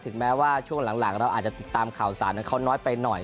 ถึงแม้ว่าช่วงหลังเราติดตามข่าวศาลนั้นเขาน้อยไปหน่อย